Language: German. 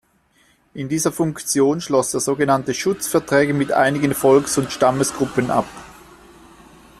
In dieser Funktion schloss er sogenannte Schutzverträge mit einigen Volks- und Stammesgruppen ab.